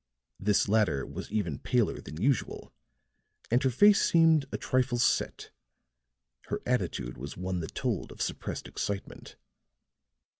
This latter was even paler than usual, and her face seemed a trifle set; her attitude was one that told of suppressed excitement.